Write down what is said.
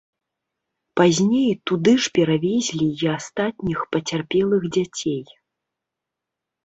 Пазней туды ж перавезлі і астатніх пацярпелых дзяцей.